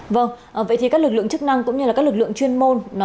vâng vậy thì các lực lượng chức năng cũng như các lực lượng chuyên môn